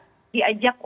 yang sudah menerapkan